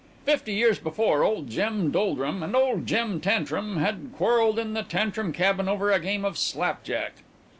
Fifty years before old Jem Doldrum and old Jem Tantrum had quarrelled in the Tantrum cabin over a game of slapjack.